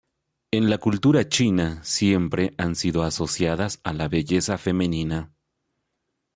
En la cultura china siempre han sido asociadas a la belleza femenina.